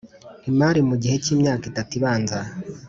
imari mu gihe cy’myaka itatu ibanza